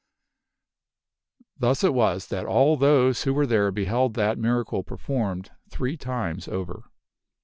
Thus it was that all those who were there beheld that miracle performed three times over.